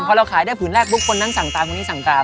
พอขายได้ภืนแรกผู้คนนั่งสั่งตามคนนี่สั่งตาม